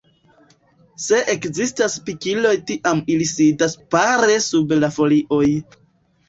Se ekzistas pikiloj tiam ili sidas pare sub la folioj.